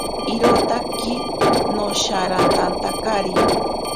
Irotaki nasharantantakari.